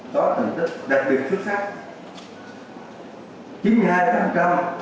có thẩm tức đặc biệt xuất sắc